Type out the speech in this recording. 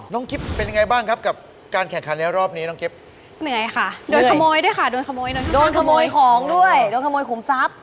โดนขโมยของด้วยโดนขโมยขุมทรัพย์